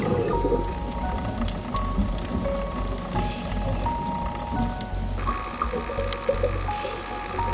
silakan melakukan pembelajaran di kepulauan singa